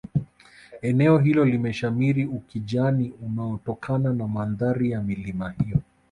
eneo hilo limeshamiri ukijani unaotokana na mandhari ya milima hiyo